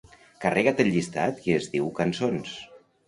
Carrega't el llistat que es diu "cançons".